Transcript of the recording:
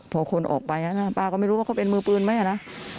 พอคนออกไปป้าก็ไม่รู้ว่าเขาเป็นมือปืนไหมนะ